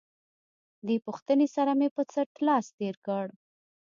دې پوښتنې سره مې پر څټ لاس تېر کړ.